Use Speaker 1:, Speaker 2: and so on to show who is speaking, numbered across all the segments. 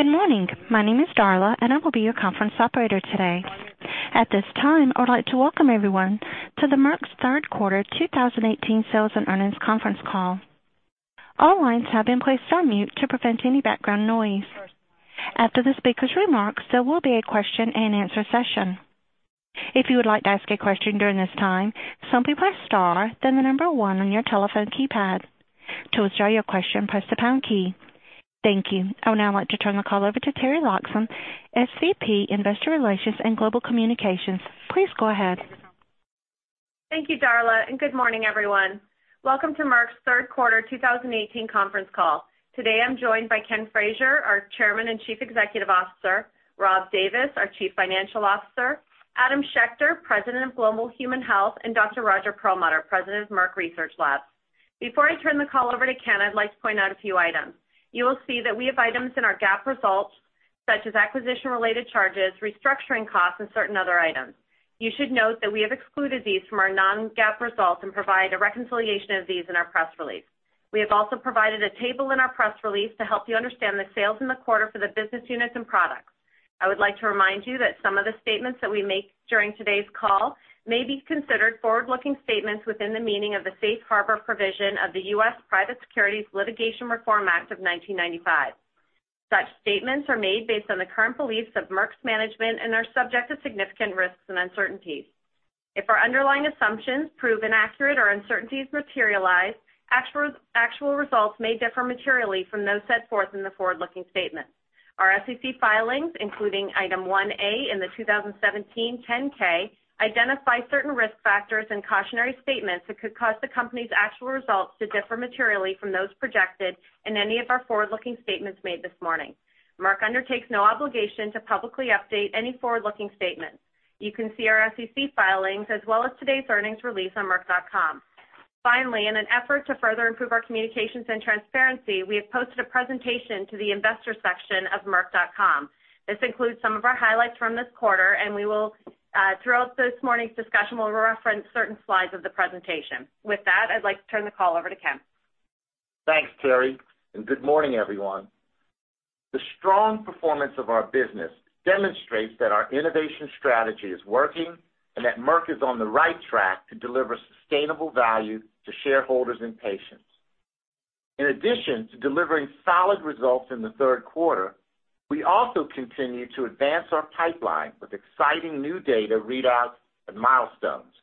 Speaker 1: Good morning. My name is Darla, and I will be your conference operator today. At this time, I would like to welcome everyone to Merck's Third Quarter 2018 Sales and Earnings Conference Call. All lines have been placed on mute to prevent any background noise. After the speaker's remarks, there will be a question-and-answer session. If you would like to ask a question during this time, simply press star then the number one on your telephone keypad. To withdraw your question, press the pound key. Thank you. I would now like to turn the call over to Teri Loxam, SVP, Investor Relations and Global Communications. Please go ahead.
Speaker 2: Thank you, Darla. Good morning, everyone. Welcome to Merck's Third Quarter 2018 Conference Call. Today, I'm joined by Ken Frazier, our Chairman and Chief Executive Officer, Rob Davis, our Chief Financial Officer, Adam Schechter, President of Global Human Health, Dr. Roger Perlmutter, President of Merck Research Laboratories. Before I turn the call over to Ken, I'd like to point out a few items. You will see that we have items in our GAAP results such as acquisition-related charges, restructuring costs, and certain other items. You should note that we have excluded these from our non-GAAP results and provide a reconciliation of these in our press release. We have also provided a table in our press release to help you understand the sales in the quarter for the business units and products. I would like to remind you that some of the statements that we make during today's call may be considered forward-looking statements within the meaning of the Safe Harbor provision of the U.S. Private Securities Litigation Reform Act of 1995. Such statements are made based on the current beliefs of Merck's management and are subject to significant risks and uncertainties. If our underlying assumptions prove inaccurate or uncertainties materialize, actual results may differ materially from those set forth in the forward-looking statements. Our SEC filings, including Item One A in the 2017 10-K, identify certain risk factors and cautionary statements that could cause the company's actual results to differ materially from those projected in any of our forward-looking statements made this morning. Merck undertakes no obligation to publicly update any forward-looking statements. You can see our SEC filings as well as today's earnings release on merck.com. Finally, in an effort to further improve our communications and transparency, we have posted a presentation to the investor section of merck.com. This includes some of our highlights from this quarter. Throughout this morning's discussion, we'll reference certain slides of the presentation. With that, I'd like to turn the call over to Ken.
Speaker 3: Thanks, Teri, and good morning, everyone. The strong performance of our business demonstrates that our innovation strategy is working and that Merck is on the right track to deliver sustainable value to shareholders and patients. In addition to delivering solid results in the third quarter, we also continue to advance our pipeline with exciting new data readouts and milestones.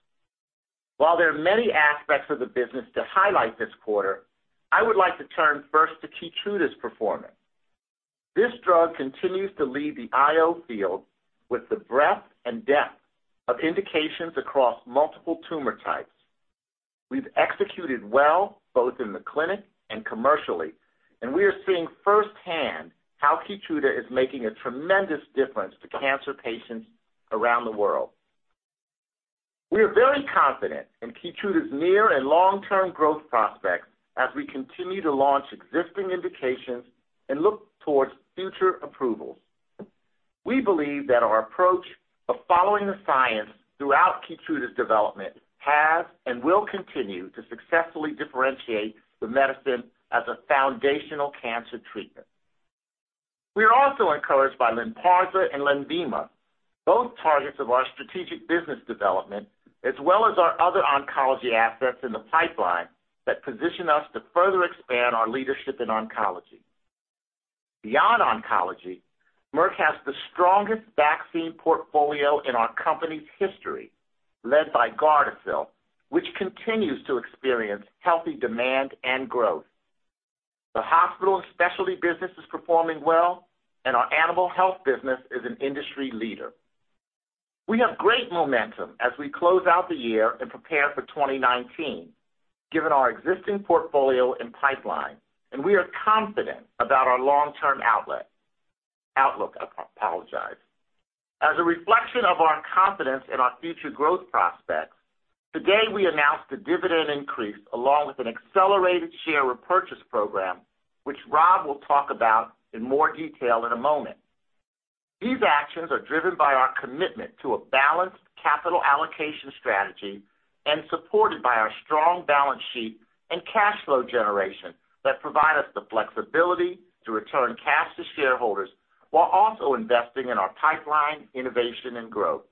Speaker 3: While there are many aspects of the business to highlight this quarter, I would like to turn first to KEYTRUDA's performance. This drug continues to lead the IO field with the breadth and depth of indications across multiple tumor types. We've executed well both in the clinic and commercially, and we are seeing firsthand how KEYTRUDA is making a tremendous difference to cancer patients around the world. We are very confident in KEYTRUDA's near and long-term growth prospects as we continue to launch existing indications and look towards future approvals. We believe that our approach of following the science throughout KEYTRUDA's development has and will continue to successfully differentiate the medicine as a foundational cancer treatment. We are also encouraged by LYNPARZA and LENVIMA, both targets of our strategic business development, as well as our other oncology assets in the pipeline that position us to further expand our leadership in oncology. Beyond oncology, Merck has the strongest vaccine portfolio in our company's history, led by GARDASIL, which continues to experience healthy demand and growth. The hospital and specialty business is performing well, and our animal health business is an industry leader. We have great momentum as we close out the year and prepare for 2019, given our existing portfolio and pipeline, and we are confident about our long-term Outlook. I apologize. As a reflection of our confidence in our future growth prospects, today we announced a dividend increase along with an accelerated share repurchase program, which Rob will talk about in more detail in a moment. These actions are driven by our commitment to a balanced capital allocation strategy and supported by our strong balance sheet and cash flow generation that provide us the flexibility to return cash to shareholders while also investing in our pipeline, innovation, and growth.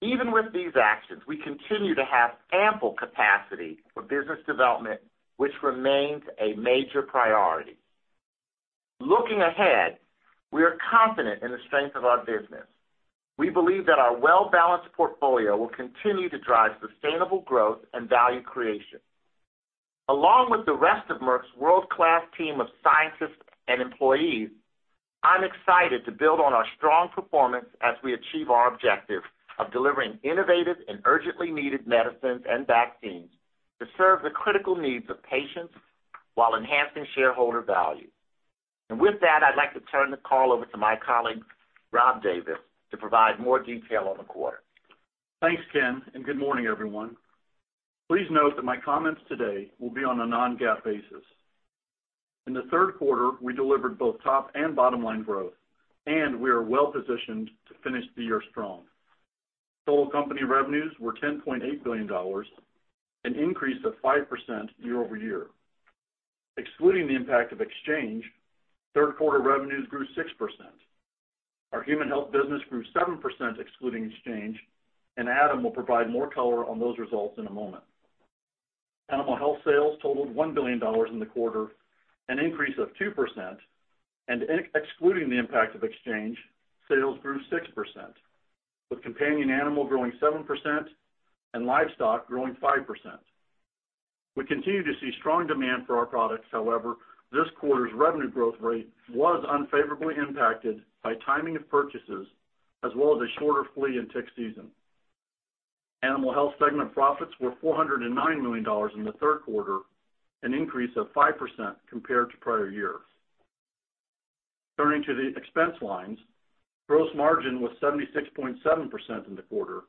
Speaker 3: Even with these actions, we continue to have ample capacity for business development, which remains a major priority. Looking ahead, we are confident in the strength of our business. We believe that our well-balanced portfolio will continue to drive sustainable growth and value creation. Along with the rest of Merck's world-class team of scientists and employees, I'm excited to build on our strong performance as we achieve our objective of delivering innovative and urgently needed medicines and vaccines to serve the critical needs of patients while enhancing shareholder value. With that, I'd like to turn the call over to my colleague, Rob Davis, to provide more detail on the quarter.
Speaker 4: Thanks, Ken. Good morning, everyone. Please note that my comments today will be on a non-GAAP basis. In the third quarter, we delivered both top and bottom-line growth, we are well-positioned to finish the year strong. Total company revenues were $10.8 billion, an increase of 5% year-over-year. Excluding the impact of exchange, third quarter revenues grew 6%. Our Human Health business grew 7% excluding exchange. Adam will provide more color on those results in a moment. Animal Health sales totaled $1 billion in the quarter, an increase of 2%. Excluding the impact of exchange, sales grew 6%, with companion animal growing 7% and livestock growing 5%. We continue to see strong demand for our products. However, this quarter's revenue growth rate was unfavorably impacted by timing of purchases, as well as a shorter flea and tick season. Animal Health segment profits were $409 million in the third quarter, an increase of 5% compared to prior year. Turning to the expense lines, gross margin was 76.7% in the quarter,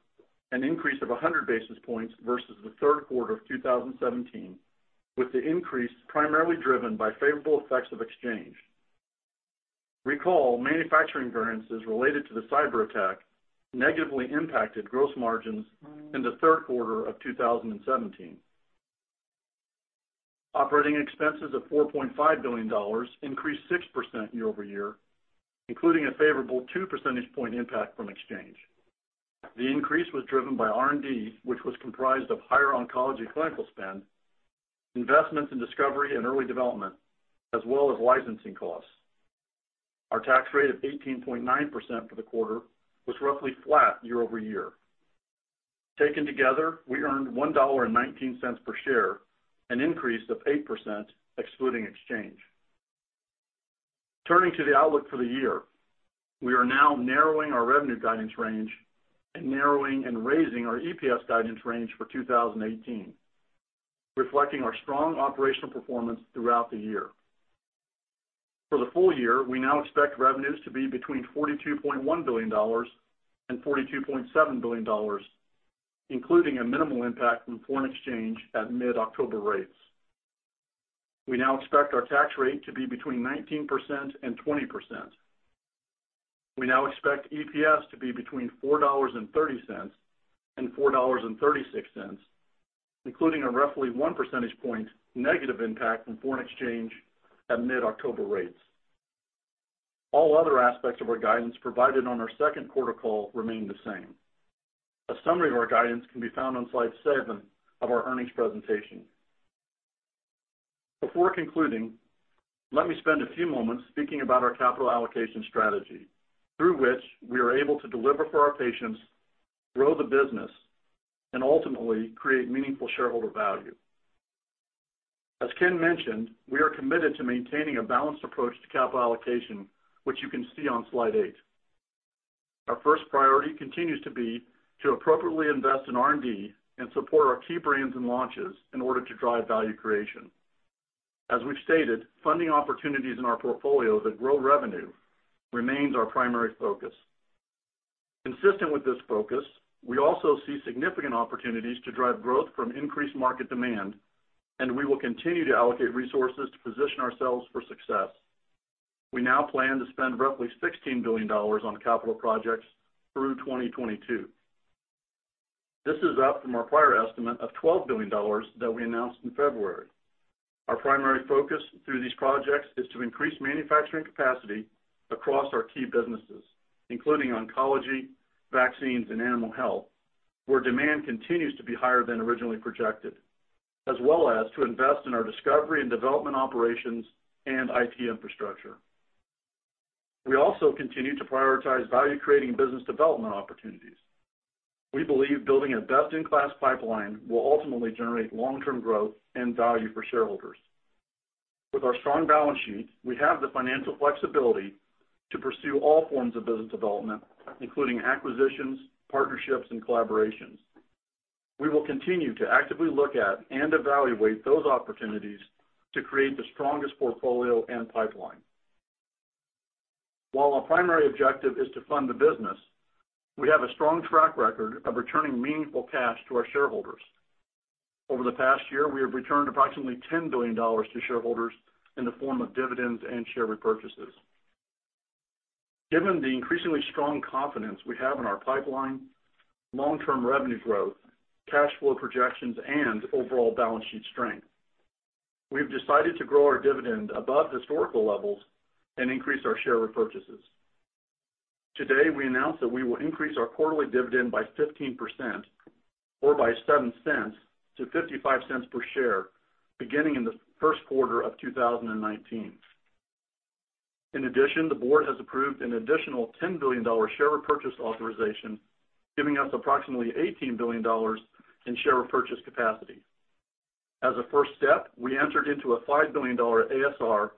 Speaker 4: an increase of 100 basis points versus the third quarter of 2017, with the increase primarily driven by favorable effects of exchange. Recall manufacturing variances related to the cyberattack negatively impacted gross margins in the third quarter of 2017. Operating expenses of $4.5 billion increased 6% year-over-year, including a favorable two percentage point impact from exchange. The increase was driven by R&D, which was comprised of higher oncology clinical spend, investments in discovery and early development, as well as licensing costs. Our tax rate of 18.9% for the quarter was roughly flat year-over-year. Taken together, we earned $1.19 per share, an increase of 8% excluding exchange. Turning to the outlook for the year, we are now narrowing our revenue guidance range and narrowing and raising our EPS guidance range for 2018, reflecting our strong operational performance throughout the year. For the full year, we now expect revenues to be between $42.1 billion and $42.7 billion, including a minimal impact from foreign exchange at mid-October rates. We now expect our tax rate to be between 19% and 20%. We now expect EPS to be between $4.30 and $4.36, including a roughly one percentage point negative impact from foreign exchange at mid-October rates. All other aspects of our guidance provided on our second quarter call remain the same. A summary of our guidance can be found on slide seven of our earnings presentation. Before concluding, let me spend a few moments speaking about our capital allocation strategy, through which we are able to deliver for our patients, grow the business, and ultimately, create meaningful shareholder value. As Ken mentioned, we are committed to maintaining a balanced approach to capital allocation, which you can see on slide eight. Our first priority continues to be to appropriately invest in R&D and support our key brands and launches in order to drive value creation. As we've stated, funding opportunities in our portfolio that grow revenue remains our primary focus. Consistent with this focus, we also see significant opportunities to drive growth from increased market demand, and we will continue to allocate resources to position ourselves for success. We now plan to spend roughly $16 billion on capital projects through 2022. This is up from our prior estimate of $12 billion that we announced in February. Our primary focus through these projects is to increase manufacturing capacity across our key businesses, including oncology, vaccines, and animal health, where demand continues to be higher than originally projected, as well as to invest in our discovery and development operations and IT infrastructure. We also continue to prioritize value-creating business development opportunities. We believe building a best-in-class pipeline will ultimately generate long-term growth and value for shareholders. With our strong balance sheet, we have the financial flexibility to pursue all forms of business development, including acquisitions, partnerships, and collaborations. We will continue to actively look at and evaluate those opportunities to create the strongest portfolio and pipeline. While our primary objective is to fund the business, we have a strong track record of returning meaningful cash to our shareholders. Over the past year, we have returned approximately $10 billion to shareholders in the form of dividends and share repurchases. Given the increasingly strong confidence we have in our pipeline, long-term revenue growth, cash flow projections, and overall balance sheet strength, we've decided to grow our dividend above historical levels and increase our share repurchases. Today, we announce that we will increase our quarterly dividend by 15%, or by $0.07 to $0.55 per share, beginning in the first quarter of 2019. In addition, the board has approved an additional $10 billion share repurchase authorization, giving us approximately $18 billion in share repurchase capacity. As a first step, we entered into a $5 billion ASR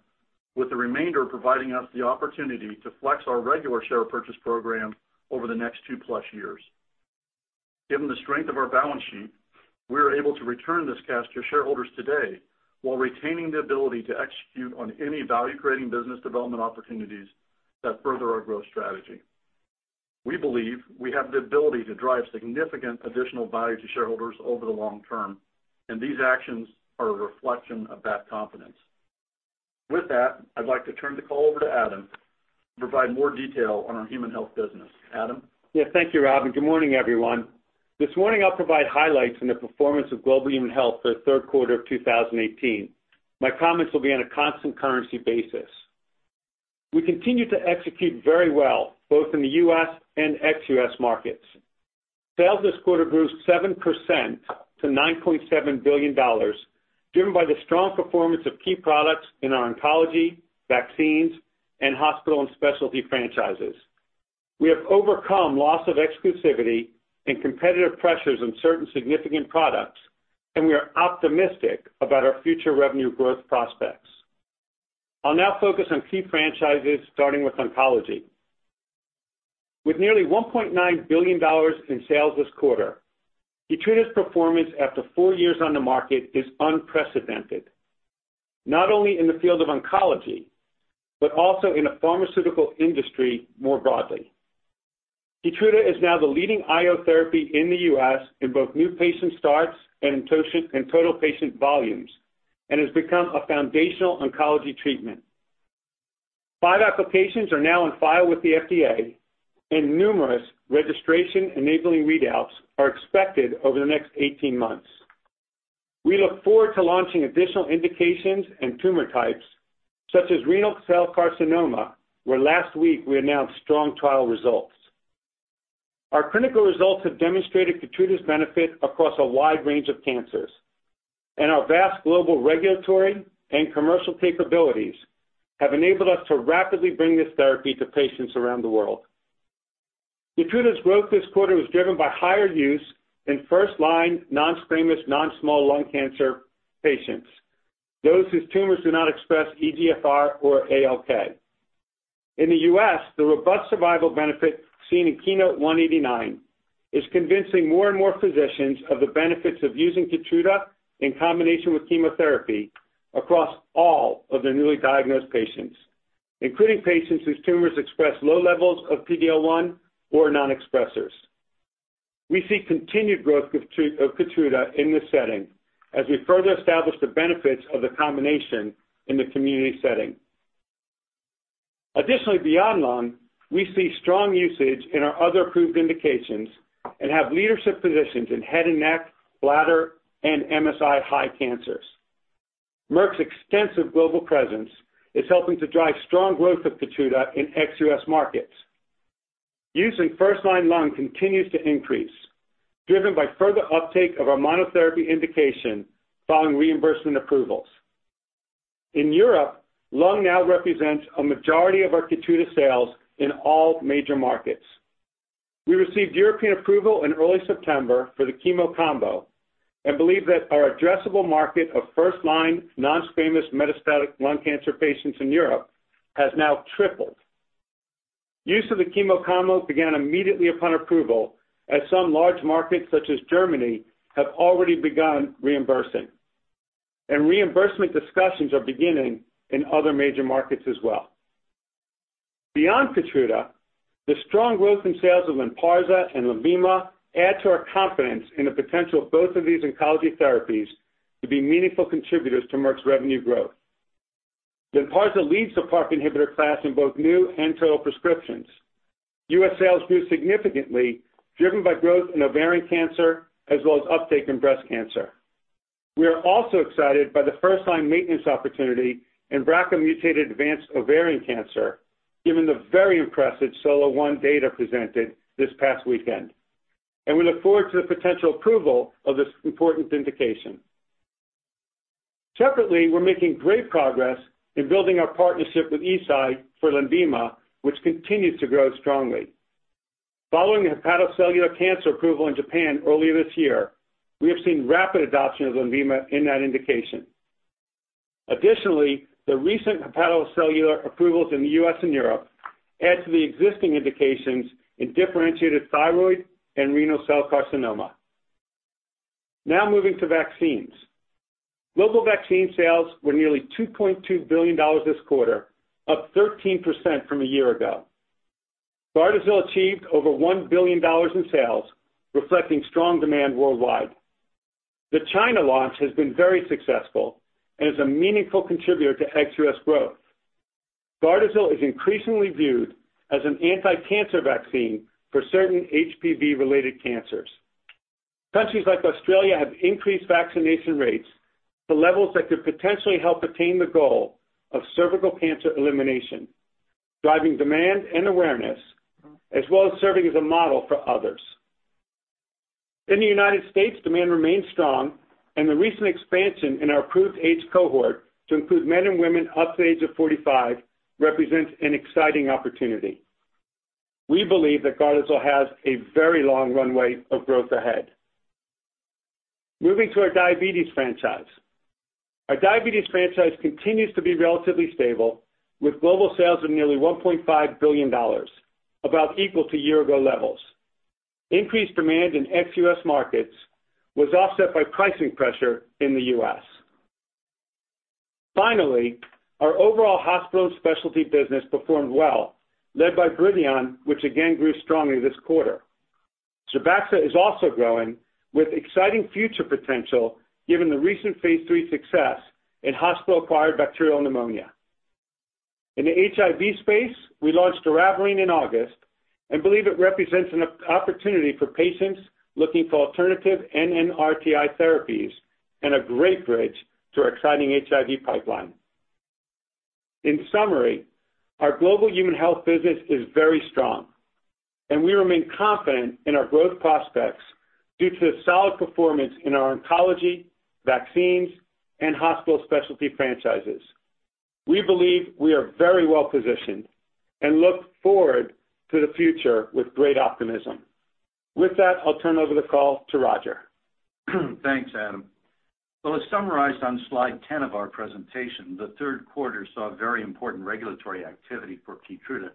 Speaker 4: with the remainder providing us the opportunity to flex our regular share purchase program over the next two-plus years. Given the strength of our balance sheet, we are able to return this cash to shareholders today while retaining the ability to execute on any value-creating business development opportunities that further our growth strategy. We believe we have the ability to drive significant additional value to shareholders over the long term. These actions are a reflection of that confidence. With that, I'd like to turn the call over to Adam to provide more detail on our Human Health business. Adam?
Speaker 5: Yes. Thank you, Rob, and good morning, everyone. This morning I'll provide highlights on the performance of Global Human Health for the third quarter of 2018. My comments will be on a constant currency basis. We continue to execute very well both in the U.S. and ex-U.S. markets. Sales this quarter grew 7% to $9.7 billion, driven by the strong performance of key products in our oncology, vaccines, and hospital and specialty franchises. We have overcome loss of exclusivity and competitive pressures on certain significant products. We are optimistic about our future revenue growth prospects. I'll now focus on key franchises, starting with oncology. With nearly $1.9 billion in sales this quarter, KEYTRUDA's performance after four years on the market is unprecedented, not only in the field of oncology, but also in the pharmaceutical industry more broadly. KEYTRUDA is now the leading IO therapy in the U.S. in both new patient starts and in total patient volumes and has become a foundational oncology treatment. Five applications are now on file with the FDA. Numerous registration-enabling readouts are expected over the next 18 months. We look forward to launching additional indications and tumor types, such as renal cell carcinoma, where last week we announced strong trial results. Our clinical results have demonstrated KEYTRUDA's benefit across a wide range of cancers. Our vast global regulatory and commercial capabilities have enabled us to rapidly bring this therapy to patients around the world. KEYTRUDA's growth this quarter was driven by higher use in first-line non-squamous, non-small lung cancer patients, those whose tumors do not express EGFR or ALK. In the U.S., the robust survival benefit seen in KEYNOTE-189 is convincing more and more physicians of the benefits of using KEYTRUDA in combination with chemotherapy across all of their newly diagnosed patients, including patients whose tumors express low levels of PD-L1 or non-expressers. We see continued growth of KEYTRUDA in this setting as we further establish the benefits of the combination in the community setting. Additionally, beyond lung, we see strong usage in our other approved indications and have leadership positions in head and neck, bladder, and MSI-high cancers. Merck's extensive global presence is helping to drive strong growth of KEYTRUDA in ex-U.S. markets. Use in first-line lung continues to increase, driven by further uptake of our monotherapy indication following reimbursement approvals. In Europe, lung now represents a majority of our KEYTRUDA sales in all major markets. We received European approval in early September for the chemo combo and believe that our addressable market of first-line non-squamous metastatic lung cancer patients in Europe has now tripled. Use of the chemo combo began immediately upon approval as some large markets, such as Germany, have already begun reimbursing. Reimbursement discussions are beginning in other major markets as well. Beyond KEYTRUDA, the strong growth in sales of LYNPARZA and LENVIMA add to our confidence in the potential of both of these oncology therapies to be meaningful contributors to Merck's revenue growth. LYNPARZA leads the PARP inhibitor class in both new and total prescriptions. U.S. sales grew significantly, driven by growth in ovarian cancer as well as uptake in breast cancer. We are also excited by the first-line maintenance opportunity in BRCA-mutated advanced ovarian cancer, given the very impressive SOLO-1 data presented this past weekend, and we look forward to the potential approval of this important indication. Separately, we're making great progress in building our partnership with Eisai for LENVIMA, which continues to grow strongly. Following the hepatocellular cancer approval in Japan earlier this year, we have seen rapid adoption of LENVIMA in that indication. Additionally, the recent hepatocellular approvals in the U.S. and Europe add to the existing indications in differentiated thyroid and renal cell carcinoma. Now moving to vaccines. Global vaccine sales were nearly $2.2 billion this quarter, up 13% from a year ago. GARDASIL achieved over $1 billion in sales, reflecting strong demand worldwide. The China launch has been very successful and is a meaningful contributor to ex-U.S. growth. GARDASIL is increasingly viewed as an anti-cancer vaccine for certain HPV-related cancers. Countries like Australia have increased vaccination rates to levels that could potentially help attain the goal of cervical cancer elimination, driving demand and awareness, as well as serving as a model for others. In the U.S., demand remains strong, and the recent expansion in our approved age cohort to include men and women up to the age of 45 represents an exciting opportunity. We believe that GARDASIL has a very long runway of growth ahead. Moving to our diabetes franchise. Our diabetes franchise continues to be relatively stable, with global sales of nearly $1.5 billion, about equal to year-ago levels. Increased demand in ex-U.S. markets was offset by pricing pressure in the U.S. Finally, our overall hospital specialty business performed well, led by BRIDION, which again grew strongly this quarter. ZERBAXA is also growing with exciting future potential given the recent phase III success in hospital-acquired bacterial pneumonia. In the HIV space, we launched doravirine in August and believe it represents an opportunity for patients looking for alternative NNRTI therapies and a great bridge to our exciting HIV pipeline. In summary, our Global Human Health business is very strong and we remain confident in our growth prospects due to the solid performance in our oncology, vaccines, and hospital specialty franchises. We believe we are very well-positioned and look forward to the future with great optimism. With that, I'll turn over the call to Roger.
Speaker 6: Thanks, Adam. As summarized on slide 10 of our presentation, the third quarter saw very important regulatory activity for KEYTRUDA,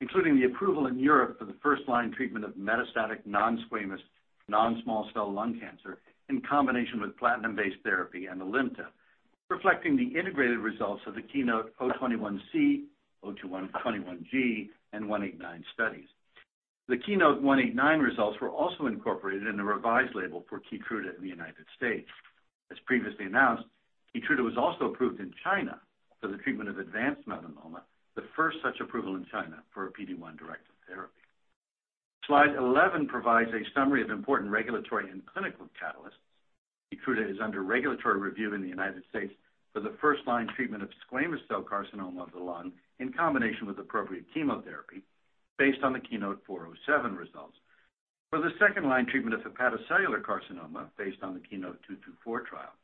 Speaker 6: including the approval in Europe for the first-line treatment of metastatic non-squamous, non-small cell lung cancer in combination with platinum-based therapy and ALIMTA, reflecting the integrated results of the KEYNOTE-021-c, 021-g, and KEYNOTE-189 studies. The KEYNOTE-189 results were also incorporated in a revised label for KEYTRUDA in the U.S. As previously announced, KEYTRUDA was also approved in China for the treatment of advanced melanoma, the first such approval in China for a PD-1 directed therapy. Slide 11 provides a summary of important regulatory and clinical catalysts. KEYTRUDA is under regulatory review in the U.S. for the first-line treatment of squamous cell carcinoma of the lung in combination with appropriate chemotherapy based on the KEYNOTE-407 results. For the second-line treatment of hepatocellular carcinoma based on the KEYNOTE-224 trial.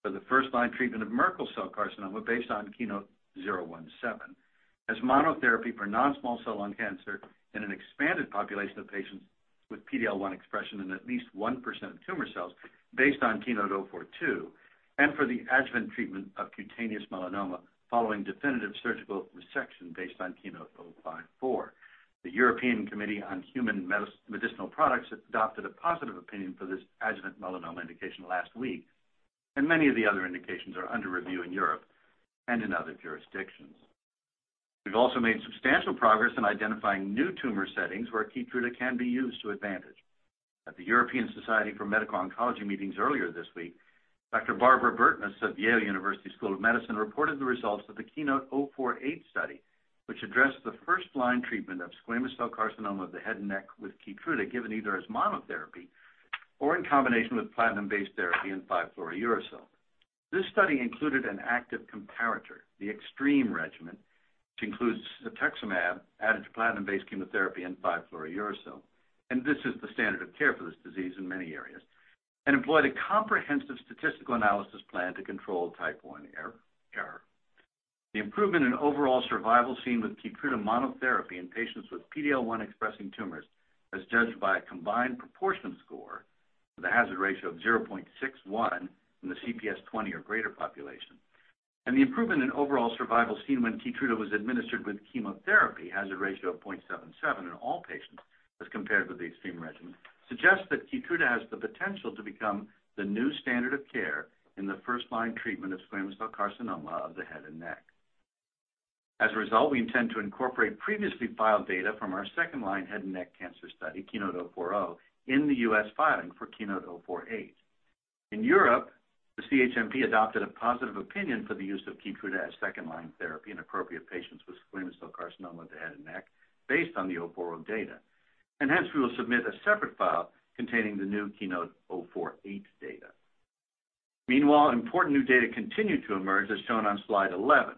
Speaker 6: For the first-line treatment of Merkel cell carcinoma based on KEYNOTE-017. As monotherapy for non-small cell lung cancer in an expanded population of patients with PD-L1 expression in at least 1% of tumor cells based on KEYNOTE-042. For the adjuvant treatment of cutaneous melanoma following definitive surgical resection based on KEYNOTE-054. The European Committee on Human Medicinal Products adopted a positive opinion for this adjuvant melanoma indication last week, and many of the other indications are under review in Europe and in other jurisdictions. We have also made substantial progress in identifying new tumor settings where KEYTRUDA can be used to advantage. At the European Society for Medical Oncology meetings earlier this week, Dr. Barbara Burtness of Yale University School of Medicine reported the results of the KEYNOTE-048 study, which addressed the first-line treatment of squamous cell carcinoma of the head and neck with KEYTRUDA, given either as monotherapy or in combination with platinum-based therapy and 5-fluorouracil. This study included an active comparator, the EXTREME regimen, which includes cetuximab added to platinum-based chemotherapy and 5-fluorouracil, and this is the standard of care for this disease in many areas, and employed a comprehensive statistical analysis plan to control type 1 error. The improvement in overall survival seen with KEYTRUDA monotherapy in patients with PD-L1 expressing tumors, as judged by a combined proportion score with a hazard ratio of 0.61 in the CPS 20 or greater population. The improvement in overall survival seen when KEYTRUDA was administered with chemotherapy, hazard ratio of 0.77 in all patients, as compared with the EXTREME regimen, suggests that KEYTRUDA has the potential to become the new standard of care in the first-line treatment of squamous cell carcinoma of the head and neck. As a result, we intend to incorporate previously filed data from our second-line head and neck cancer study, KEYNOTE-040, in the U.S. filing for KEYNOTE-048. In Europe, the CHMP adopted a positive opinion for the use of KEYTRUDA as second-line therapy in appropriate patients with squamous cell carcinoma of the head and neck based on the 040 data. Hence, we will submit a separate file containing the new KEYNOTE-048 data. Meanwhile, important new data continue to emerge, as shown on slide 11.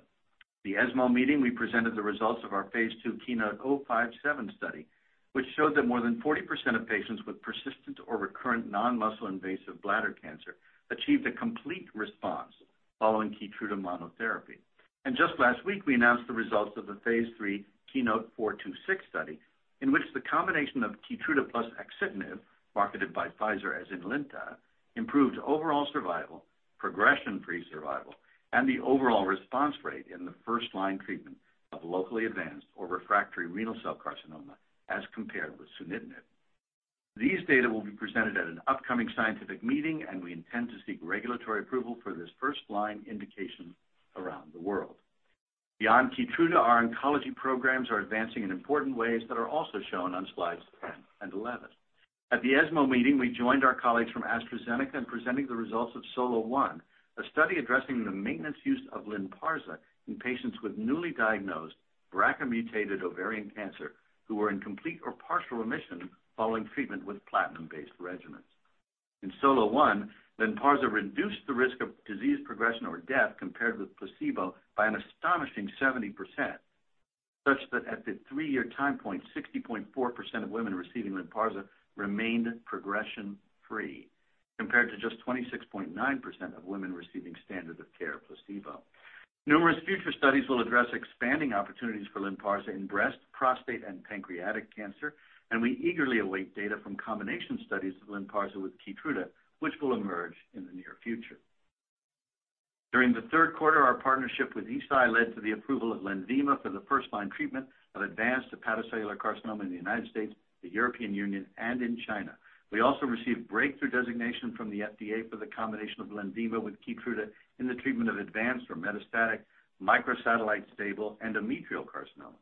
Speaker 6: At the ESMO meeting, we presented the results of our Phase II KEYNOTE-057 study, which showed that more than 40% of patients with persistent or recurrent non-muscle invasive bladder cancer achieved a complete response following KEYTRUDA monotherapy. Just last week, we announced the results of the Phase III KEYNOTE-426 study, in which the combination of KEYTRUDA plus axitinib, marketed by Pfizer as INLYTA, improved overall survival, progression-free survival, and the overall response rate in the first-line treatment of locally advanced or refractory renal cell carcinoma as compared with sunitinib. These data will be presented at an upcoming scientific meeting, and we intend to seek regulatory approval for this first-line indication around the world. Beyond KEYTRUDA, our oncology programs are advancing in important ways that are also shown on slides 10 and 11. At the ESMO meeting, we joined our colleagues from AstraZeneca in presenting the results of SOLO-1, a study addressing the maintenance use of LYNPARZA in patients with newly diagnosed BRCA-mutated ovarian cancer who were in complete or partial remission following treatment with platinum-based regimens. In SOLO-1, LYNPARZA reduced the risk of disease progression or death compared with placebo by an astonishing 70%, such that at the three-year time point, 60.4% of women receiving LYNPARZA remained progression free, compared to just 26.9% of women receiving standard of care, placebo. Numerous future studies will address expanding opportunities for LYNPARZA in breast, prostate, and pancreatic cancer. We eagerly await data from combination studies of LYNPARZA with KEYTRUDA, which will emerge in the near future. During the third quarter, our partnership with Eisai led to the approval of LENVIMA for the first-line treatment of advanced hepatocellular carcinoma in the U.S., the European Union, and in China. We also received breakthrough designation from the FDA for the combination of LENVIMA with KEYTRUDA in the treatment of advanced or metastatic microsatellite stable endometrial carcinoma.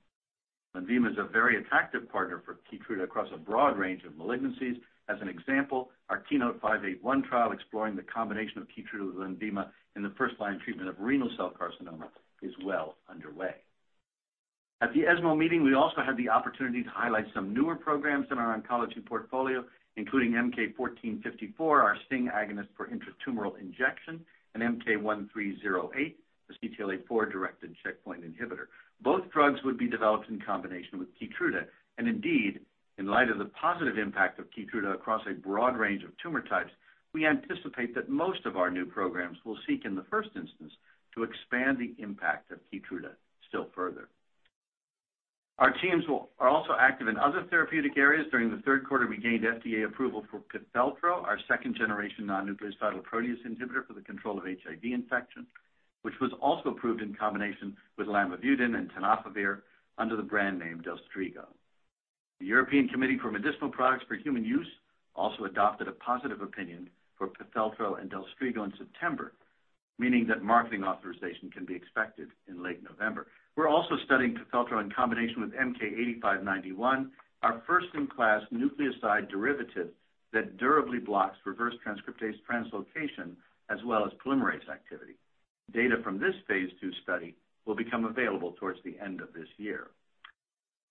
Speaker 6: LENVIMA is a very attractive partner for KEYTRUDA across a broad range of malignancies. As an example, our KEYNOTE-581 trial exploring the combination of KEYTRUDA with LENVIMA in the first-line treatment of renal cell carcinoma is well underway. At the ESMO meeting, we also had the opportunity to highlight some newer programs in our oncology portfolio, including MK-1454, our STING agonist for intratumoral injection, and MK-1308, the CTLA-4-directed checkpoint inhibitor. Both drugs would be developed in combination with KEYTRUDA. Indeed, in light of the positive impact of KEYTRUDA across a broad range of tumor types, we anticipate that most of our new programs will seek in the first instance to expand the impact of KEYTRUDA still further. Our teams are also active in other therapeutic areas. During the third quarter, we gained FDA approval for PIFELTRO, our second-generation non-nucleoside reverse transcriptase inhibitor for the control of HIV infection, which was also approved in combination with lamivudine and tenofovir under the brand name DELSTRIGO. The Committee for Medicinal Products for Human Use also adopted a positive opinion for PIFELTRO and DELSTRIGO in September, meaning that marketing authorization can be expected in late November. We're also studying PIFELTRO in combination with MK-8591, our first-in-class nucleoside derivative that durably blocks reverse transcriptase translocation as well as polymerase activity. Data from this phase II study will become available towards the end of this year.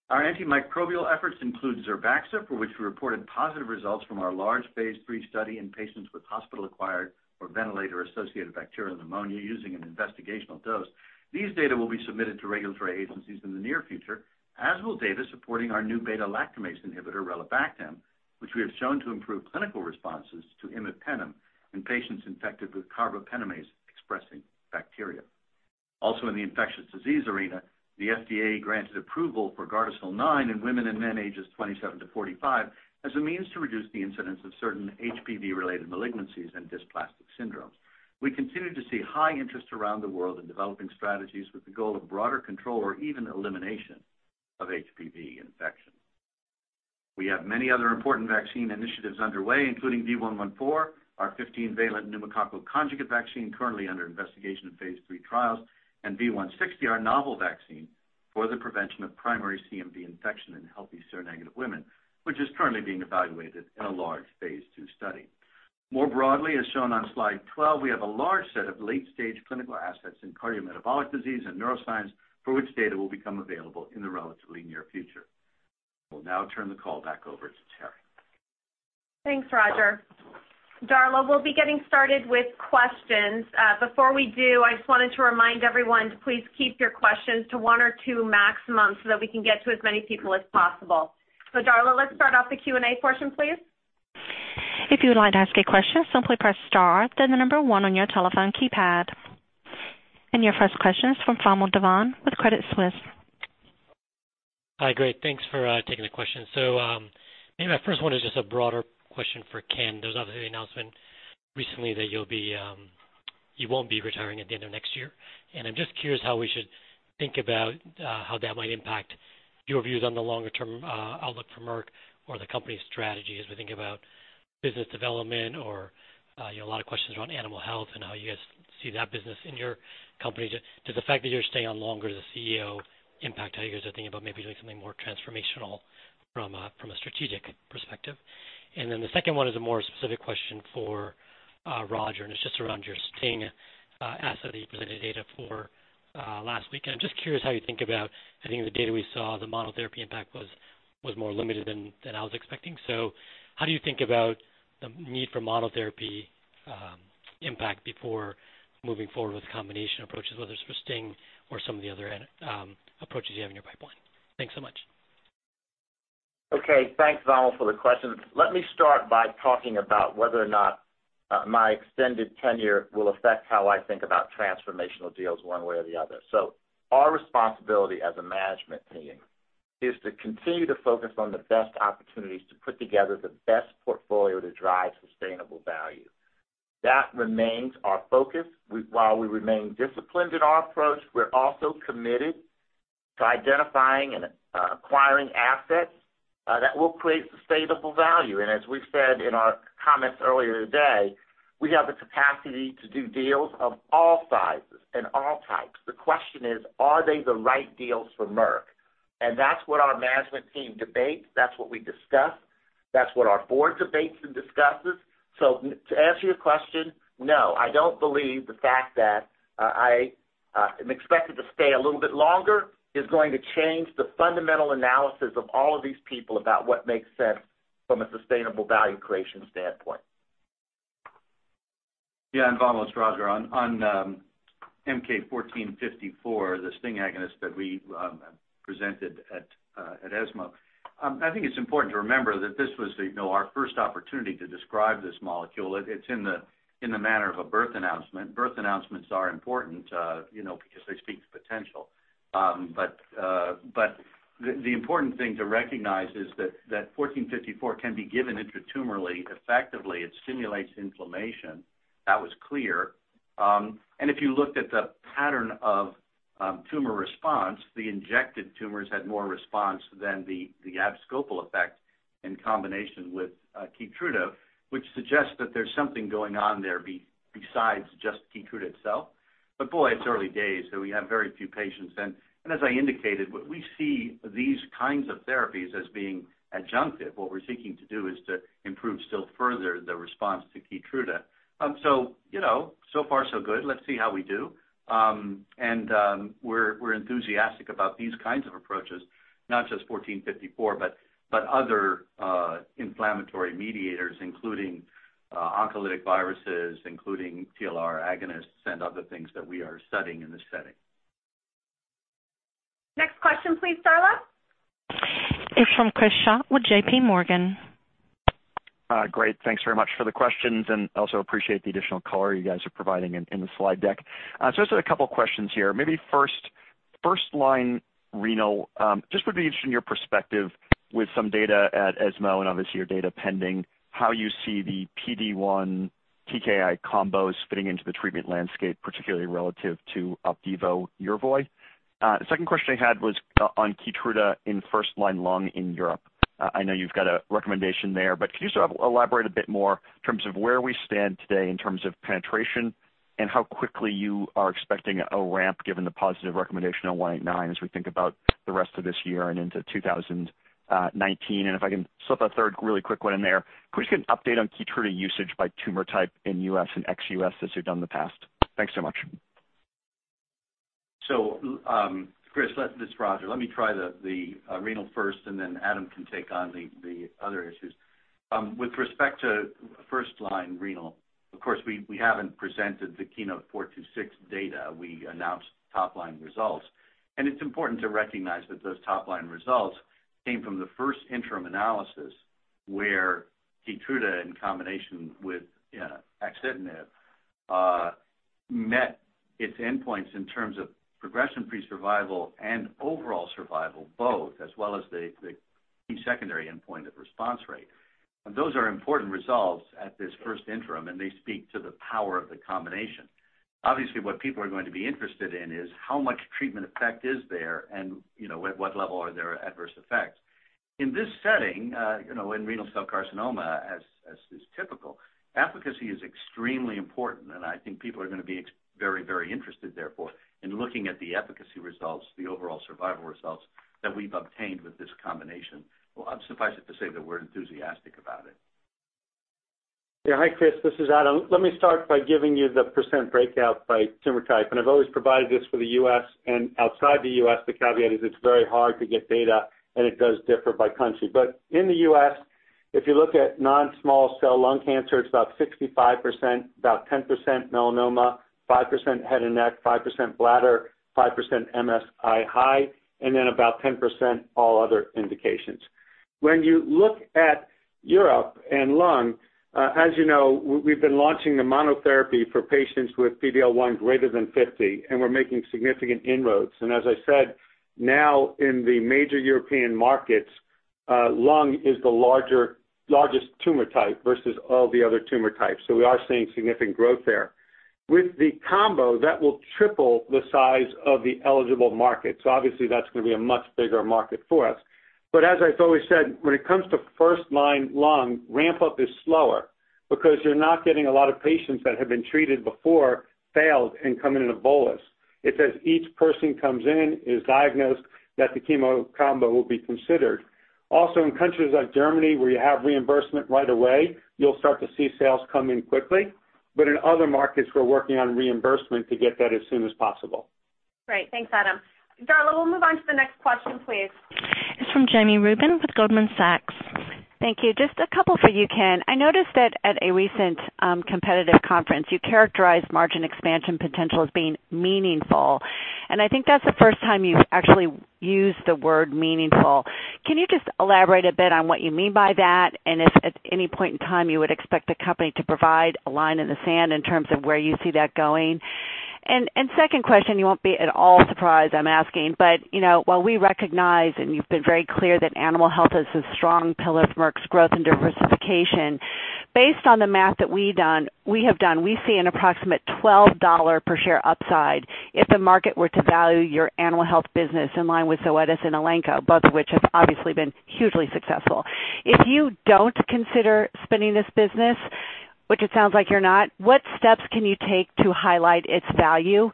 Speaker 6: Our antimicrobial efforts include ZERBAXA, for which we reported positive results from our large phase III study in patients with hospital-acquired or ventilator-associated bacterial pneumonia using an investigational dose. These data will be submitted to regulatory agencies in the near future, as will data supporting our new beta-lactamase inhibitor, relebactam, which we have shown to improve clinical responses to imipenem in patients infected with carbapenemase-expressing bacteria. In the infectious disease arena, the FDA granted approval for GARDASIL 9 in women and men ages 27 to 45 as a means to reduce the incidence of certain HPV-related malignancies and dysplastic syndromes. We continue to see high interest around the world in developing strategies with the goal of broader control or even elimination of HPV infection. We have many other important vaccine initiatives underway, including V114, our 15-valent pneumococcal conjugate vaccine currently under investigation in phase III trials, and V160, our novel vaccine for the prevention of primary CMV infection in healthy seronegative women, which is currently being evaluated in a large phase II study. More broadly, as shown on slide 12, we have a large set of late-stage clinical assets in cardiometabolic disease and neuroscience, for which data will become available in the relatively near future. I will now turn the call back over to Teri.
Speaker 2: Thanks, Roger. Darla, we'll be getting started with questions. Before we do, I just wanted to remind everyone to please keep your questions to one or two maximum so that we can get to as many people as possible. Darla, let's start off the Q&A portion, please.
Speaker 1: If you would like to ask a question, simply press star, then the number one on your telephone keypad. Your first question is from Vamil Divan with Credit Suisse.
Speaker 7: Hi, great. Thanks for taking the question. My first one is just a broader question for Ken. There was obviously the announcement recently that you won't be retiring at the end of next year, and I'm just curious how we should think about how that might impact your views on the longer-term outlook for Merck or the company's strategy as we think about business development or a lot of questions around animal health and how you guys see that business in your company. Does the fact that you're staying on longer as the CEO impact how you guys are thinking about maybe doing something more transformational from a strategic perspective? The second one is a more specific question for Roger, and it's just around your STING asset that you presented data for last week. I'm just curious how you think about, I think the data we saw, the monotherapy impact was more limited than I was expecting. How do you think about the need for monotherapy impact before moving forward with combination approaches, whether it's for STING or some of the other approaches you have in your pipeline? Thanks so much.
Speaker 3: Okay. Thanks, Vamil, for the question. Let me start by talking about whether or not my extended tenure will affect how I think about transformational deals one way or the other. Our responsibility as a management team is to continue to focus on the best opportunities to put together the best portfolio to drive sustainable value. That remains our focus. While we remain disciplined in our approach, we're also committed to identifying and acquiring assets that will create sustainable value. As we've said in our comments earlier today, we have the capacity to do deals of all sizes and all types. The question is, are they the right deals for Merck? That's what our management team debates. That's what we discuss. That's what our board debates and discusses.
Speaker 6: To answer your question, no, I don't believe the fact that I am expected to stay a little bit longer is going to change the fundamental analysis of all of these people about what makes sense from a sustainable value creation standpoint. Vamil, it's Roger. On MK-1454, the STING agonist that we presented at ESMO, I think it's important to remember that this was our first opportunity to describe this molecule. It's in the manner of a birth announcement. Birth announcements are important because they speak to potential. The important thing to recognize is that 1454 can be given intratumorally effectively. It stimulates inflammation. That was clear. If you looked at the pattern of tumor response, the injected tumors had more response than the abscopal effect in combination with KEYTRUDA, which suggests that there's something going on there besides just KEYTRUDA itself. Boy, it's early days, so we have very few patients. As I indicated, we see these kinds of therapies as being adjunctive. What we're seeking to do is to improve still further the response to KEYTRUDA. So far so good. Let's see how we do. We're enthusiastic about these kinds of approaches, not just 1454, but other inflammatory mediators, including oncolytic viruses, including TLR agonists and other things that we are studying in this setting.
Speaker 2: Next question, please, Darla.
Speaker 1: It's from Chris Schott with JPMorgan.
Speaker 8: Great. Thanks very much for the questions, also appreciate the additional color you guys are providing in the slide deck. Just a couple of questions here. Maybe first line renal, just would be interested in your perspective with some data at ESMO and obviously your data pending, how you see the PD-1/TKI combos fitting into the treatment landscape, particularly relative to OPDIVO/YERVOY. Second question I had was on KEYTRUDA in first line lung in Europe. I know you've got a recommendation there, but can you sort of elaborate a bit more in terms of where we stand today in terms of penetration and how quickly you are expecting a ramp, given the positive recommendation on KEYNOTE-189 as we think about the rest of this year and into 2019? If I can slip a third really quick one in there, can we just get an update on KEYTRUDA usage by tumor type in U.S. and ex-U.S. as you've done in the past? Thanks so much.
Speaker 6: Chris, this is Roger. Let me try the renal first, and then Adam can take on the other issues. With respect to first line renal, of course, we haven't presented the KEYNOTE-426 data. We announced top-line results. It's important to recognize that those top-line results came from the first interim analysis where KEYTRUDA, in combination with axitinib, met its endpoints in terms of progression-free survival and overall survival, both, as well as the key secondary endpoint of response rate. Those are important results at this first interim, and they speak to the power of the combination. Obviously, what people are going to be interested in is how much treatment effect is there and at what level are there adverse effects. In this setting, in renal cell carcinoma, as is typical, efficacy is extremely important, and I think people are going to be very interested therefore in looking at the efficacy results, the overall survival results that we've obtained with this combination. Suffice it to say that we're enthusiastic about it.
Speaker 5: Hi, Chris. This is Adam. Let me start by giving you the % breakout by tumor type. I've always provided this for the U.S. and outside the U.S. The caveat is it's very hard to get data, and it does differ by country. In the U.S., if you look at non-small cell lung cancer, it's about 65%, about 10% melanoma, 5% head and neck, 5% bladder, 5% MSI-high, and then about 10% all other indications. When you look at Europe and lung, as you know, we've been launching the monotherapy for patients with PD-L1 greater than 50, and we're making significant inroads. As I said, now in the major European markets, lung is the largest tumor type versus all the other tumor types. We are seeing significant growth there. With the combo, that will triple the size of the eligible market. Obviously that's going to be a much bigger market for us. As I've always said, when it comes to first line lung, ramp up is slower because you're not getting a lot of patients that have been treated before, failed, and come in a bolus. It says each person comes in, is diagnosed, that the chemo combo will be considered. Also in countries like Germany where you have reimbursement right away, you'll start to see sales come in quickly. In other markets, we're working on reimbursement to get that as soon as possible.
Speaker 2: Great. Thanks, Adam. Darla, we'll move on to the next question, please.
Speaker 1: It's from Jami Rubin with Goldman Sachs.
Speaker 9: Thank you. Just a couple for you, Ken. I noticed that at a recent competitive conference, you characterized margin expansion potential as being meaningful, and I think that's the first time you've actually used the word meaningful. Can you just elaborate a bit on what you mean by that and if at any point in time you would expect the company to provide a line in the sand in terms of where you see that going? Second question, you won't be at all surprised I'm asking, but while we recognize, and you've been very clear that animal health is a strong pillar for Merck's growth and diversification, based on the math that we have done, we see an approximate $12 per share upside if the market were to value your animal health business in line with Zoetis and Elanco, both of which have obviously been hugely successful. If you don't consider spinning this business, which it sounds like you're not, what steps can you take to highlight its value?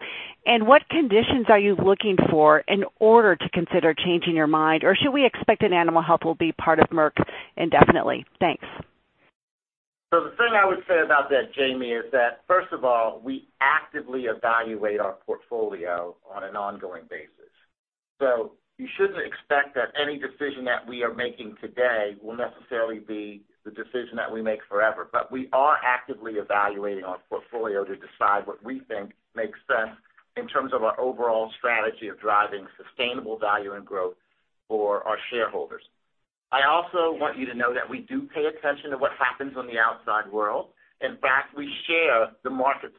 Speaker 9: What conditions are you looking for in order to consider changing your mind? Should we expect that animal health will be part of Merck indefinitely? Thanks.
Speaker 3: The thing I would say about that, Jami, first of all, we actively evaluate our portfolio on an ongoing basis. You shouldn't expect that any decision that we are making today will necessarily be the decision that we make forever. We are actively evaluating our portfolio to decide what we think makes sense in terms of our overall strategy of driving sustainable value and growth for our shareholders. I also want you to know that we do pay attention to what happens on the outside world. In fact, we share the market's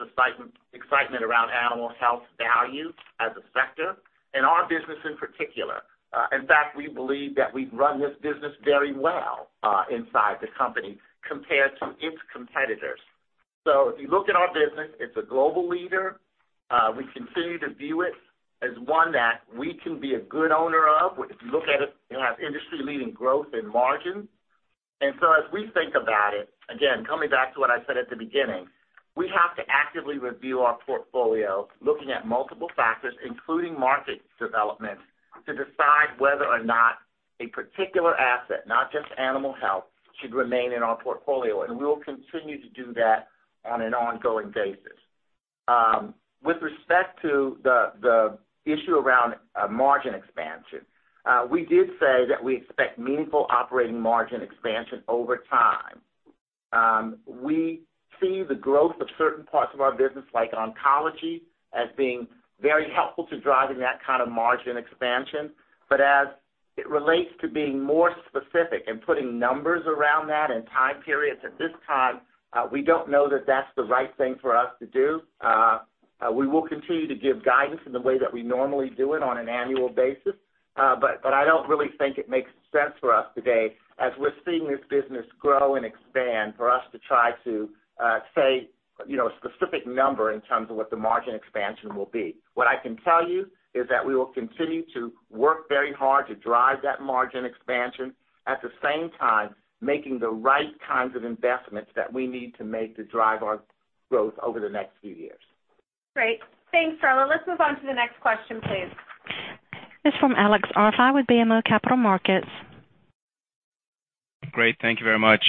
Speaker 3: excitement around animal health value as a sector. In our business in particular. In fact, we believe that we've run this business very well inside the company compared to its competitors. If you look at our business, it's a global leader. We continue to view it as one that we can be a good owner of. If you look at it has industry-leading growth and margins. As we think about it, again, coming back to what I said at the beginning, we have to actively review our portfolio, looking at multiple factors, including market development, to decide whether or not a particular asset, not just animal health, should remain in our portfolio. We will continue to do that on an ongoing basis. With respect to the issue around margin expansion, we did say that we expect meaningful operating margin expansion over time. We see the growth of certain parts of our business, like oncology, as being very helpful to driving that kind of margin expansion. As it relates to being more specific and putting numbers around that and time periods, at this time, we don't know that that's the right thing for us to do. We will continue to give guidance in the way that we normally do it on an annual basis. I don't really think it makes sense for us today, as we're seeing this business grow and expand, for us to try to say a specific number in terms of what the margin expansion will be. What I can tell you is that we will continue to work very hard to drive that margin expansion. At the same time, making the right kinds of investments that we need to make to drive our growth over the next few years.
Speaker 2: Great. Thanks, Ken. Let's move on to the next question, please.
Speaker 1: It's from Alex Arfaei with BMO Capital Markets.
Speaker 10: Great. Thank you very much.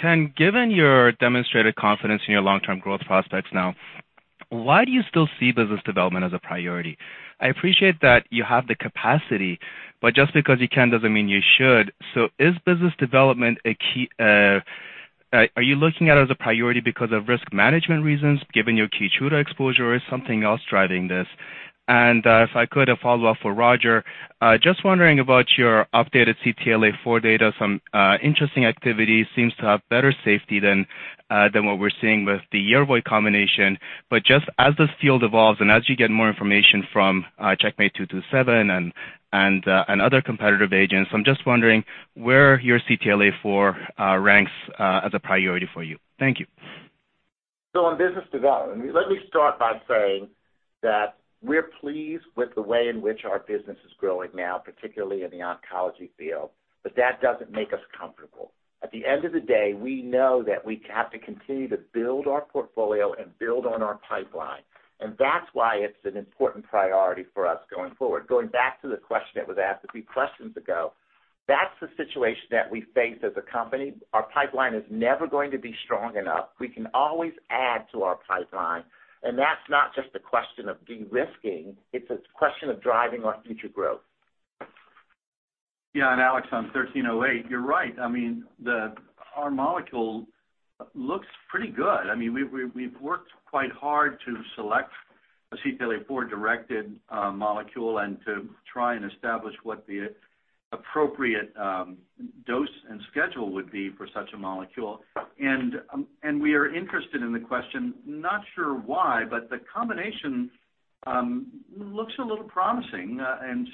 Speaker 10: Ken, given your demonstrated confidence in your long-term growth prospects now, why do you still see business development as a priority? I appreciate that you have the capacity, but just because you can doesn't mean you should. Is business development are you looking at it as a priority because of risk management reasons, given your KEYTRUDA exposure? Is something else driving this? If I could, a follow-up for Roger. Just wondering about your updated CTLA-4 data. Some interesting activity, seems to have better safety than what we're seeing with the YERVOY combination. But just as this field evolves and as you get more information from CheckMate 227 and other competitive agents, I'm just wondering where your CTLA-4 ranks as a priority for you. Thank you.
Speaker 3: On business development, let me start by saying that we're pleased with the way in which our business is growing now, particularly in the oncology field, but that doesn't make us comfortable. At the end of the day, we know that we have to continue to build our portfolio and build on our pipeline, and that's why it's an important priority for us going forward. Going back to the question that was asked a few questions ago, that's the situation that we face as a company. Our pipeline is never going to be strong enough. We can always add to our pipeline, and that's not just a question of de-risking, it's a question of driving our future growth.
Speaker 6: Yeah. Alex, on MK-1308, you're right. I mean, our molecule looks pretty good. We've worked quite hard to select a CTLA-4-directed molecule and to try and establish what the appropriate dose and schedule would be for such a molecule. We are interested in the question, not sure why, but the combination looks a little promising.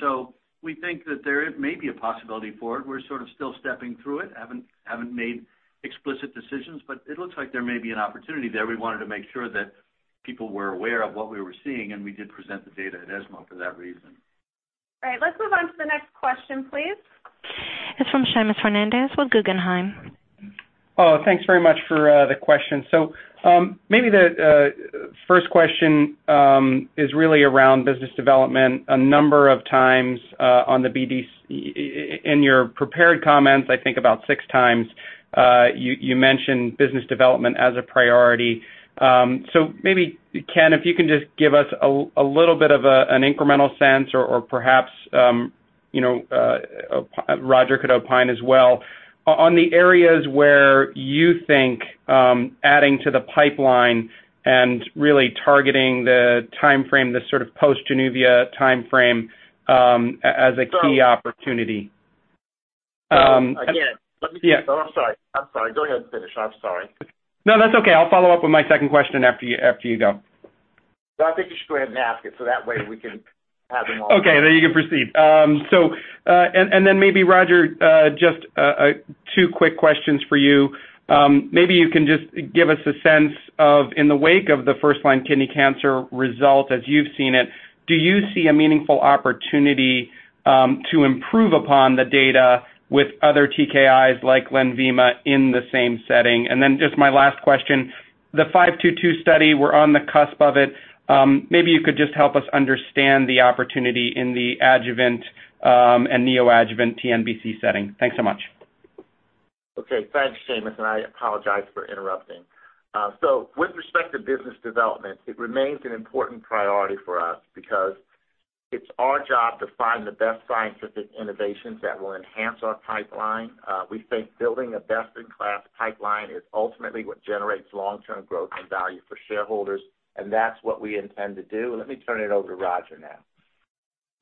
Speaker 6: So we think that there may be a possibility for it. We're sort of still stepping through it, haven't made explicit decisions, but it looks like there may be an opportunity there. We wanted to make sure that people were aware of what we were seeing, we did present the data at ESMO for that reason.
Speaker 2: All right. Let's move on to the next question, please.
Speaker 1: It's from Seamus Fernandez with Guggenheim.
Speaker 11: Thanks very much for the question. Maybe the first question is really around business development. A number of times in your prepared comments, I think about six times, you mentioned business development as a priority. Maybe, Ken, if you can just give us a little bit of an incremental sense or perhaps Roger could opine as well, on the areas where you think adding to the pipeline and really targeting the timeframe, the sort of post-JANUVIA timeframe, as a key opportunity.
Speaker 3: Again.
Speaker 11: Yeah.
Speaker 3: Oh, I'm sorry. Go ahead and finish. I'm sorry.
Speaker 11: No, that's okay. I'll follow up with my second question after you go.
Speaker 3: No, I think you should go ahead and ask it, that way we can have them all.
Speaker 11: Okay. You can proceed. Maybe Roger, just two quick questions for you. Maybe you can just give us a sense of, in the wake of the first-line kidney cancer result as you've seen it, do you see a meaningful opportunity to improve upon the data with other TKIs, like LENVIMA, in the same setting? Just my last question, the KEYNOTE-522 study, we're on the cusp of it. Maybe you could just help us understand the opportunity in the adjuvant and neoadjuvant TNBC setting. Thanks so much.
Speaker 3: Thanks, Seamus, and I apologize for interrupting. With respect to business development, it remains an important priority for us because it's our job to find the best scientific innovations that will enhance our pipeline. We think building a best-in-class pipeline is ultimately what generates long-term growth and value for shareholders, that's what we intend to do. Let me turn it over to Roger now.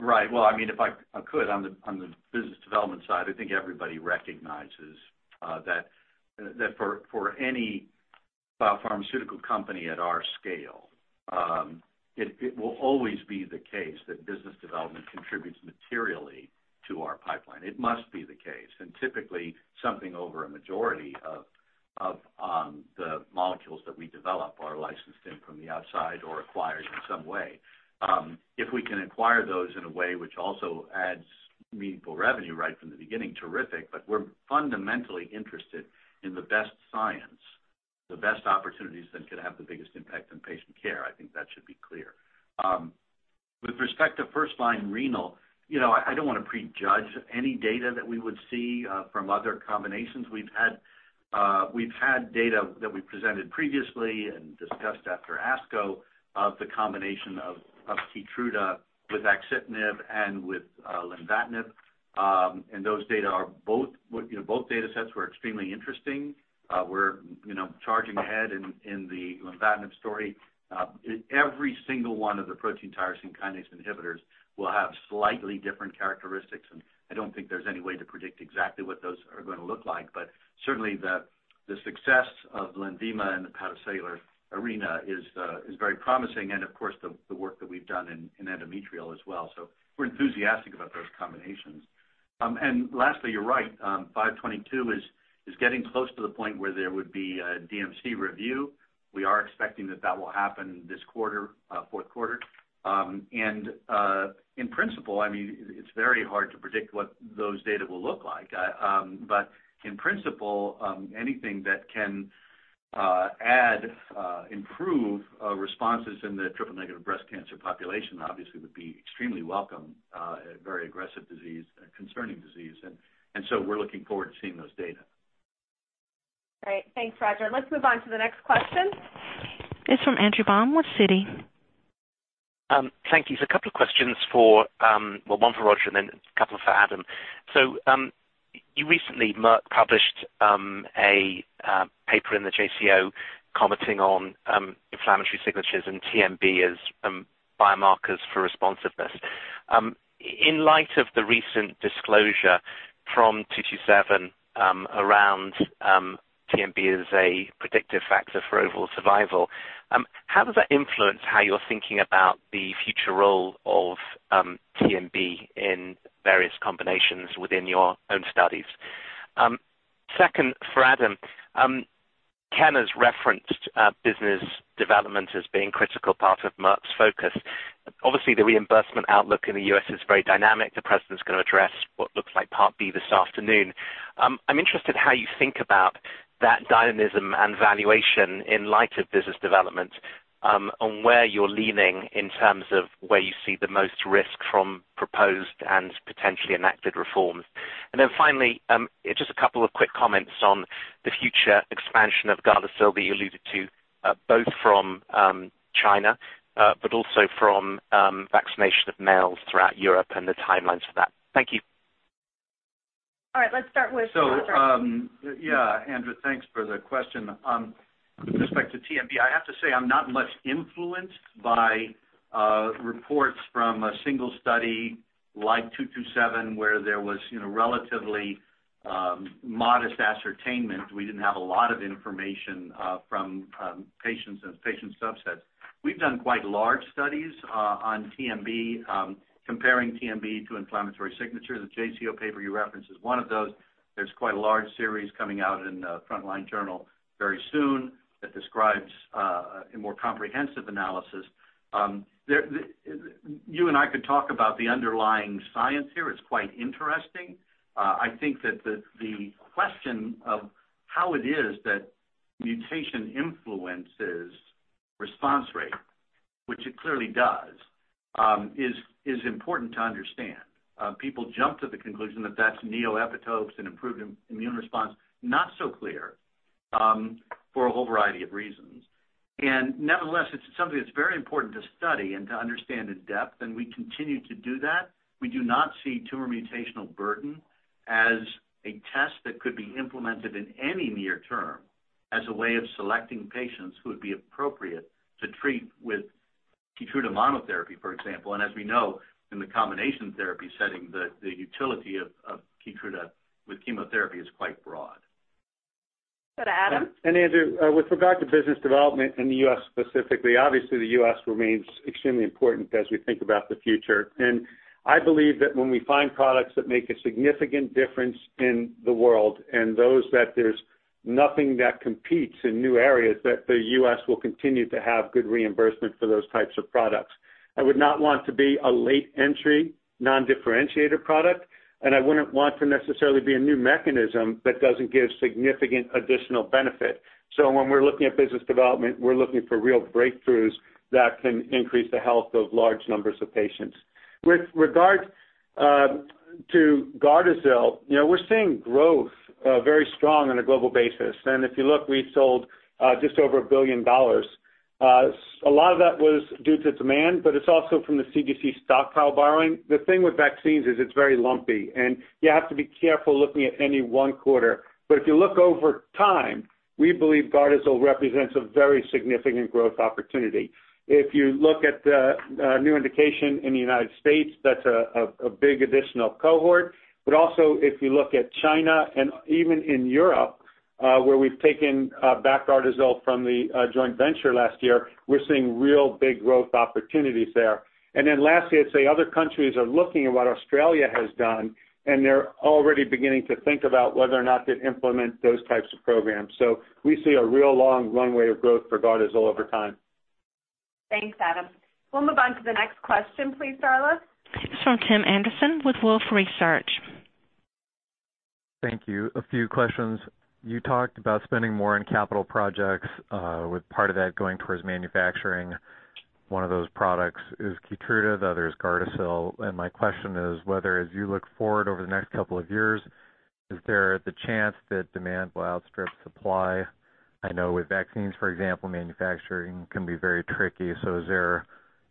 Speaker 6: Right. Well, if I could, on the business development side, I think everybody recognizes that for any biopharmaceutical company at our scale. It will always be the case that business development contributes materially to our pipeline. It must be the case. Typically, something over a majority of the molecules that we develop are licensed in from the outside or acquired in some way. If we can acquire those in a way which also adds meaningful revenue right from the beginning, terrific. We're fundamentally interested in the best science, the best opportunities that could have the biggest impact on patient care. I think that should be clear. With respect to first-line renal, I don't want to prejudge any data that we would see from other combinations. We've had data that we presented previously and discussed after ASCO of the combination of KEYTRUDA with axitinib and with lenvatinib, both data sets were extremely interesting. We're charging ahead in the lenvatinib story. Every single one of the protein tyrosine kinase inhibitors will have slightly different characteristics, I don't think there's any way to predict exactly what those are going to look like. Certainly the success of LENVIMA in the patocellular arena is very promising and, of course, the work that we've done in endometrial as well. We're enthusiastic about those combinations. Lastly, you're right, 522 is getting close to the point where there would be a DMC review. We are expecting that that will happen this fourth quarter. In principle, it's very hard to predict what those data will look like. In principle, anything that can add, improve responses in the triple negative breast cancer population obviously would be extremely welcome. A very aggressive disease, a concerning disease. We're looking forward to seeing those data.
Speaker 2: Great. Thanks, Roger. Let's move on to the next question.
Speaker 1: It's from Andrew Baum with Citi.
Speaker 12: Thank you. A couple of questions for, well, one for Roger and then a couple for Adam. You recently, Merck, published a paper in the JCO commenting on inflammatory signatures and TMB as biomarkers for responsiveness. In light of the recent disclosure from 227 around TMB as a predictive factor for overall survival, how does that influence how you're thinking about the future role of TMB in various combinations within your own studies? Second, for Adam, Ken has referenced business development as being critical part of Merck's focus. Obviously, the reimbursement outlook in the U.S. is very dynamic. The president's going to address what looks like Part D this afternoon. I'm interested how you think about that dynamism and valuation in light of business development, on where you're leaning in terms of where you see the most risk from proposed and potentially enacted reforms. Finally, just a couple of quick comments on the future expansion of GARDASIL that you alluded to, both from China, but also from vaccination of males throughout Europe and the timelines for that. Thank you. All right. Let's start with Roger.
Speaker 6: Yeah, Andrew, thanks for the question. With respect to TMB, I have to say I'm not much influenced by reports from a single study like 227, where there was relatively modest ascertainment. We didn't have a lot of information from patients and patient subsets. We've done quite large studies on TMB, comparing TMB to inflammatory signatures. The JCO paper you referenced is one of those. There's quite a large series coming out in Frontline journal very soon that describes a more comprehensive analysis. You and I could talk about the underlying science here. It's quite interesting. I think that the question of how it is that mutation influences response rate, which it clearly does, is important to understand. People jump to the conclusion that that's neo-epitopes and improved immune response, not so clear, for a whole variety of reasons. Nevertheless, it's something that's very important to study and to understand in depth, and we continue to do that. We do not see tumor mutational burden as a test that could be implemented in any near term as a way of selecting patients who would be appropriate to treat with KEYTRUDA monotherapy, for example. As we know in the combination therapy setting, the utility of KEYTRUDA with chemotherapy is quite broad.
Speaker 2: Let's go to Adam.
Speaker 5: Andrew, with regard to business development in the U.S. specifically, obviously the U.S. remains extremely important as we think about the future. I believe that when we find products that make a significant difference in the world, those that there's nothing that competes in new areas, that the U.S. will continue to have good reimbursement for those types of products. I would not want to be a late entry, non-differentiated product, and I wouldn't want to necessarily be a new mechanism that doesn't give significant additional benefit. When we're looking at business development, we're looking for real breakthroughs that can increase the health of large numbers of patients. With regard to GARDASIL, we're seeing growth very strong on a global basis. If you look, we sold just over $1 billion. A lot of that was due to demand, but it's also from the CDC stockpile borrowing. The thing with vaccines is it's very lumpy, and you have to be careful looking at any one quarter. If you look over time, we believe GARDASIL represents a very significant growth opportunity. If you look at the new indication in the U.S., that's a big additional cohort. Also, if you look at China and even in Europe Where we've taken back GARDASIL from the joint venture last year, we're seeing real big growth opportunities there. Lastly, I'd say other countries are looking at what Australia has done, and they're already beginning to think about whether or not to implement those types of programs. We see a real long runway of growth for GARDASIL over time.
Speaker 2: Thanks, Adam. We'll move on to the next question please, Darla.
Speaker 1: It's from Tim Anderson with Wolfe Research.
Speaker 13: Thank you. A few questions. You talked about spending more on capital projects, with part of that going towards manufacturing. One of those products is KEYTRUDA, the other is GARDASIL. My question is whether as you look forward over the next couple of years, is there the chance that demand will outstrip supply? I know with vaccines, for example, manufacturing can be very tricky. Is there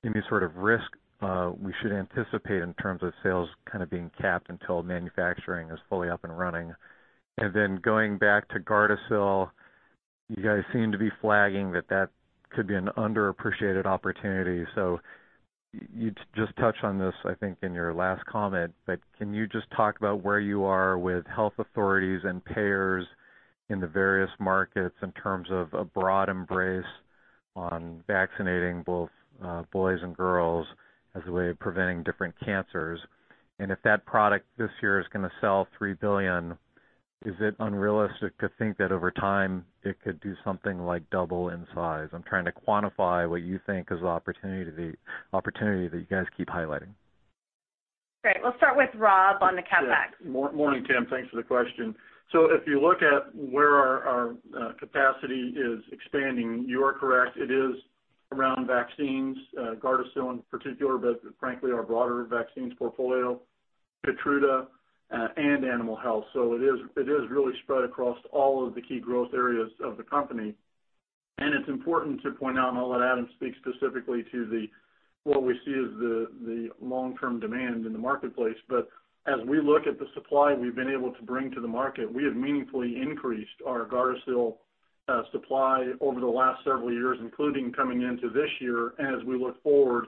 Speaker 13: any sort of risk we should anticipate in terms of sales kind of being capped until manufacturing is fully up and running? Going back to GARDASIL, you guys seem to be flagging that that could be an underappreciated opportunity. You just touched on this, I think, in your last comment, can you just talk about where you are with health authorities and payers in the various markets in terms of a broad embrace on vaccinating both boys and girls as a way of preventing different cancers? If that product this year is going to sell $3 billion, is it unrealistic to think that over time it could do something like double in size? I'm trying to quantify what you think is the opportunity that you guys keep highlighting.
Speaker 3: Great. We'll start with Rob on the CapEx.
Speaker 4: Morning, Tim. Thanks for the question. If you look at where our capacity is expanding, you are correct. It is around vaccines, GARDASIL in particular, but frankly, our broader vaccines portfolio, KEYTRUDA, and Merck Animal Health. It is really spread across all of the key growth areas of the company. It's important to point out, and I'll let Adam speak specifically to what we see as the long-term demand in the marketplace, but as we look at the supply we've been able to bring to the market, we have meaningfully increased our GARDASIL supply over the last several years, including coming into this year. As we look forward,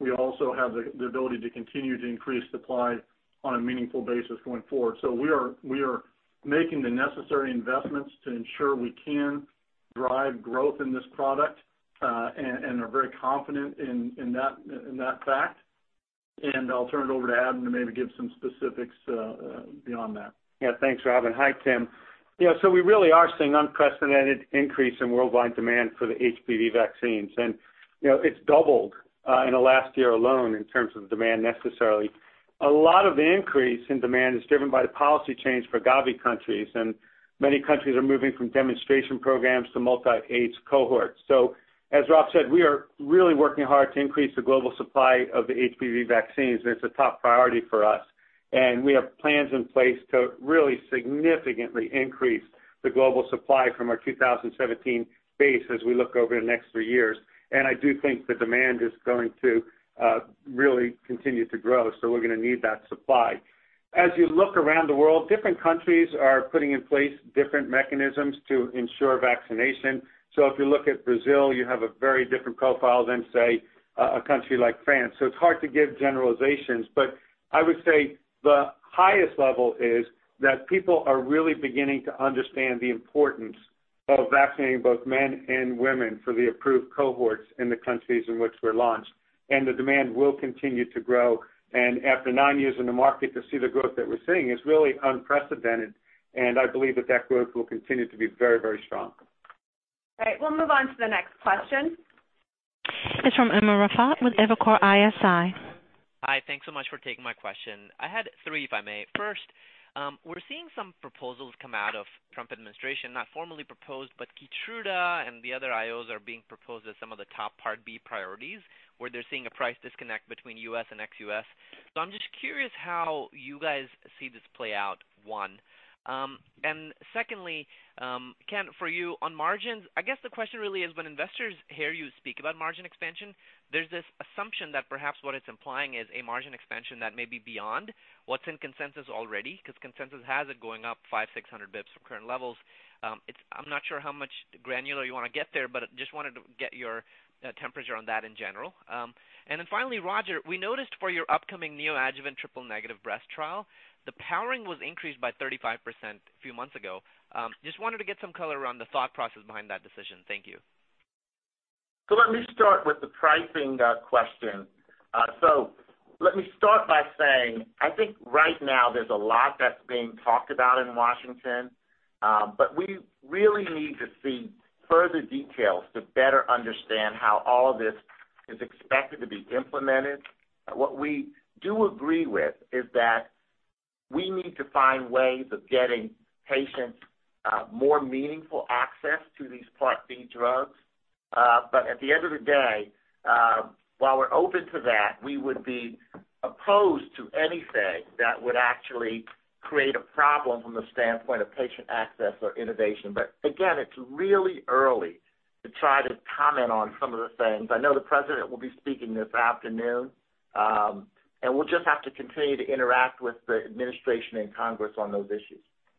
Speaker 4: we also have the ability to continue to increase supply on a meaningful basis going forward. We are making the necessary investments to ensure we can drive growth in this product, and are very confident in that fact. I'll turn it over to Adam to maybe give some specifics beyond that.
Speaker 5: Thanks, Rob, and hi, Tim. We really are seeing unprecedented increase in worldwide demand for the HPV vaccines. It's doubled in the last year alone in terms of demand necessarily. A lot of the increase in demand is driven by the policy change for Gavi countries, many countries are moving from demonstration programs to multi-age cohorts. As Rob said, we are really working hard to increase the global supply of the HPV vaccines, it's a top priority for us. We have plans in place to really significantly increase the global supply from our 2017 base as we look over the next three years. I do think the demand is going to really continue to grow, so we're going to need that supply. As you look around the world, different countries are putting in place different mechanisms to ensure vaccination. If you look at Brazil, you have a very different profile than, say, a country like France. It's hard to give generalizations, but I would say the highest level is that people are really beginning to understand the importance of vaccinating both men and women for the approved cohorts in the countries in which we're launched, the demand will continue to grow. After nine years in the market, to see the growth that we're seeing is really unprecedented, I believe that growth will continue to be very strong.
Speaker 3: All right. We'll move on to the next question.
Speaker 1: It's from Umer Raffat with Evercore ISI.
Speaker 14: Hi. Thanks so much for taking my question. I had three, if I may. First, we're seeing some proposals come out of Trump administration, not formally proposed, but KEYTRUDA and the other IOs are being proposed as some of the top Part B priorities, where they're seeing a price disconnect between U.S. and ex-U.S. I'm just curious how you guys see this play out, one. Secondly, Ken, for you, on margins, I guess the question really is when investors hear you speak about margin expansion, there's this assumption that perhaps what it's implying is a margin expansion that may be beyond what's in consensus already, because consensus has it going up 500, 600 basis points from current levels. I'm not sure how much granular you want to get there, but just wanted to get your temperature on that in general. Finally, Roger, we noticed for your upcoming neoadjuvant triple-negative breast trial, the powering was increased by 35% a few months ago. Just wanted to get some color around the thought process behind that decision. Thank you.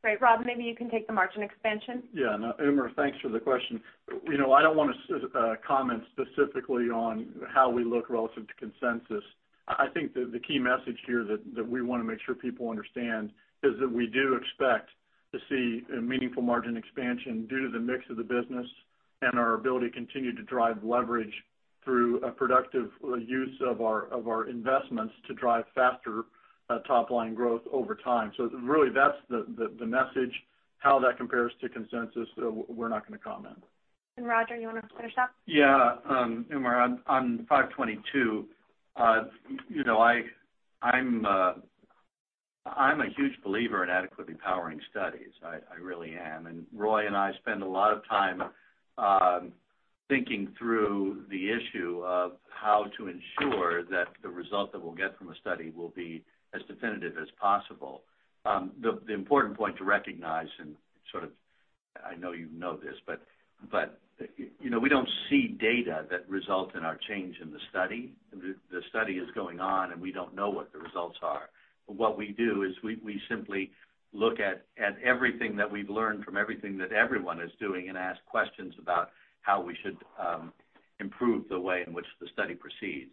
Speaker 3: Great. Rob, maybe you can take the margin expansion.
Speaker 4: Yeah, Umer, thanks for the question. I don't want to comment specifically on how we look relative to consensus. I think that the key message here that we want to make sure people understand is that we do expect to see a meaningful margin expansion due to the mix of the business and our ability to continue to drive leverage through a productive use of our investments to drive faster top-line growth over time. Really that's the message. How that compares to consensus, we're not going to comment.
Speaker 2: Roger, you want to finish up?
Speaker 6: Yeah. Umer, on 522, I'm a huge believer in adequately powering studies. I really am. Roger and I spend a lot of time thinking through the issue of how to ensure that the result that we'll get from a study will be as definitive as possible. The important point to recognize, and I know you know this, but we don't see data that result in our change in the study. The study is going on, and we don't know what the results are. What we do is we simply look at everything that we've learned from everything that everyone is doing and ask questions about how we should improve the way in which the study proceeds.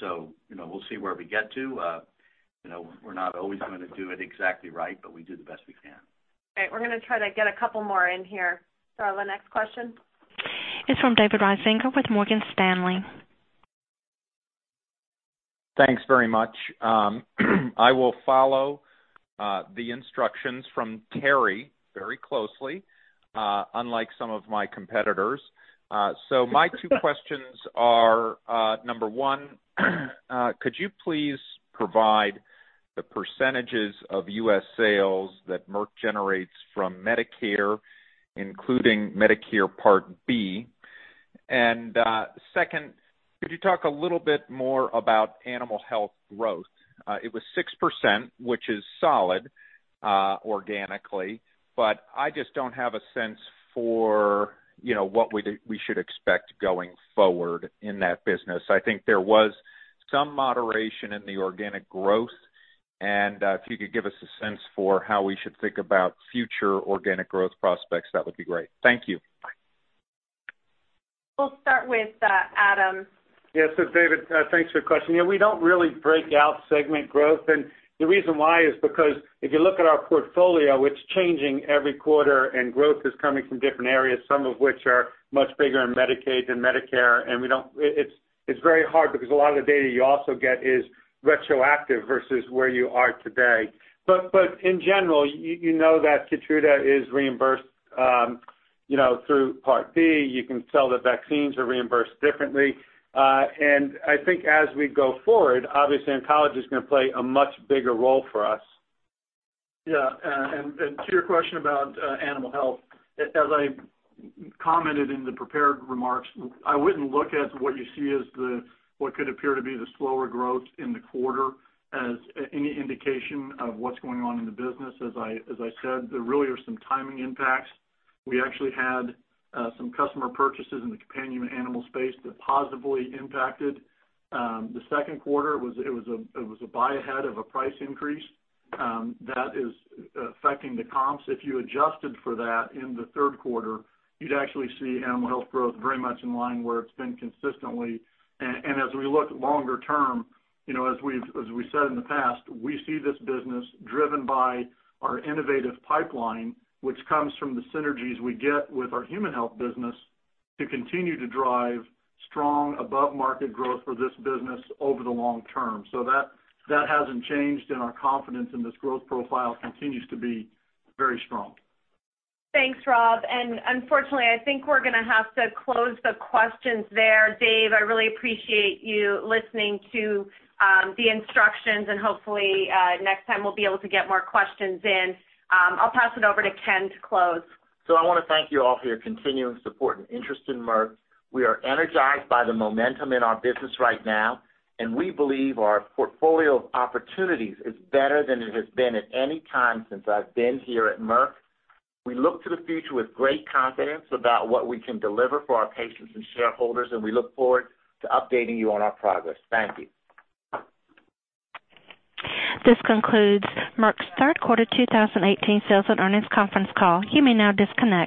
Speaker 6: So, we'll see where we get to. We're not always going to do it exactly right, but we do the best we can.
Speaker 2: All right. We're going to try to get a couple more in here. The next question.
Speaker 1: It's from David Risinger with Morgan Stanley.
Speaker 15: Thanks very much. I will follow the instructions from Teri very closely, unlike some of my competitors. My two questions are, number one, could you please provide the percentages of U.S. sales that Merck generates from Medicare, including Medicare Part B? Second, could you talk a little bit more about Animal Health growth? It was 6%, which is solid organically, I just don't have a sense for what we should expect going forward in that business. I think there was some moderation in the organic growth, if you could give us a sense for how we should think about future organic growth prospects, that would be great. Thank you.
Speaker 2: We'll start with Adam.
Speaker 5: Yes, David, thanks for the question. We don't really break out segment growth. The reason why is because if you look at our portfolio, it's changing every quarter, growth is coming from different areas, some of which are much bigger in Medicaid than Medicare, it's very hard because a lot of the data you also get is retroactive versus where you are today. In general, you know that KEYTRUDA is reimbursed through Part B. You can tell that vaccines are reimbursed differently. I think as we go forward, obviously, oncology is going to play a much bigger role for us.
Speaker 4: To your question about Animal Health, as I commented in the prepared remarks, I wouldn't look at what you see as what could appear to be the slower growth in the quarter as any indication of what's going on in the business. As I said, there really are some timing impacts. We actually had some customer purchases in the companion animal space that positively impacted the second quarter. It was a buy-ahead of a price increase that is affecting the comps. If you adjusted for that in the third quarter, you'd actually see Animal Health growth very much in line where it's been consistently. As we look longer term, as we've said in the past, we see this business driven by our innovative pipeline, which comes from the synergies we get with our Human Health business to continue to drive strong above-market growth for this business over the long term. That hasn't changed, and our confidence in this growth profile continues to be very strong.
Speaker 2: Thanks, Rob. Unfortunately, I think we're going to have to close the questions there. Dave, I really appreciate you listening to the instructions, and hopefully next time we'll be able to get more questions in. I'll pass it over to Ken to close.
Speaker 3: I want to thank you all for your continuing support and interest in Merck. We are energized by the momentum in our business right now, and we believe our portfolio of opportunities is better than it has been at any time since I've been here at Merck. We look to the future with great confidence about what we can deliver for our patients and shareholders, and we look forward to updating you on our progress. Thank you.
Speaker 1: This concludes Merck's third quarter 2018 sales and earnings conference call. You may now disconnect.